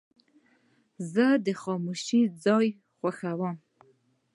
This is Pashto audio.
زه د خاموشۍ ځایونه خوښوم.